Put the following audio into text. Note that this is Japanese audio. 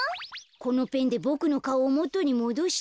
このペンでボクのかおをもとにもどして。